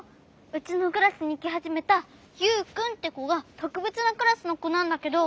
うちのクラスにきはじめたユウくんってこがとくべつなクラスのこなんだけど。